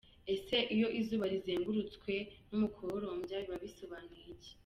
Ese iyo izuba rizengurutswe n’umukororombya biba bisobanuye iki?.